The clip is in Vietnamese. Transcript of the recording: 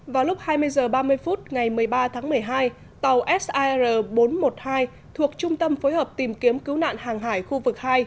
vào lúc hai mươi h ba mươi phút ngày một mươi ba tháng một mươi hai tàu sir bốn trăm một mươi hai thuộc trung tâm phối hợp tìm kiếm cứu nạn hàng hải khu vực hai